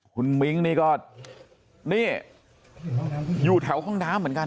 คุณมิ้งนี่ก็นี่อยู่แถวห้องน้ำเหมือนกัน